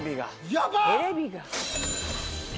やばっ！